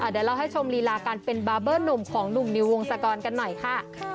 เดี๋ยวเราให้ชมรีลาการเป็นบาร์เบอร์หนุ่มของหนุ่มนิววงศกรกันหน่อยค่ะ